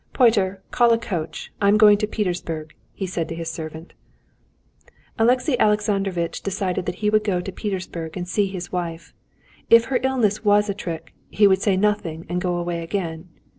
"Piotr, call a coach; I am going to Petersburg," he said to his servant. Alexey Alexandrovitch decided that he would go to Petersburg and see his wife. If her illness was a trick, he would say nothing and go away again.